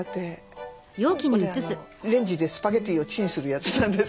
これレンジでスパゲッティをチンするやつなんですけど。